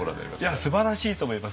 いやすばらしいと思います。